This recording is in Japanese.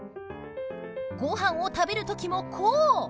ご飯を食べる時も、こう！